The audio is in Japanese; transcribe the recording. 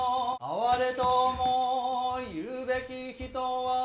「あはれとも言ふべき人は」。